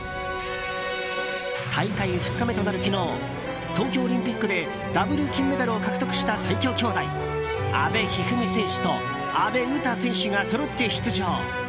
大会２日目となる昨日東京オリンピックでダブル金メダルを獲得した最強兄妹、阿部一二三選手と阿部詩選手がそろって出場。